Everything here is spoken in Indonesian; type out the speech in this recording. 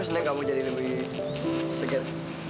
apa sih nih kamu jadi lebih seger